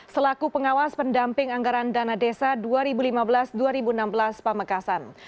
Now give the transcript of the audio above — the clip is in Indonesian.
selaku pengawas pendamping anggaran dana desa dua ribu lima belas dua ribu enam belas pamekasan